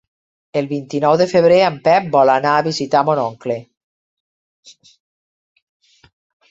El vint-i-nou de febrer en Pep vol anar a visitar mon oncle.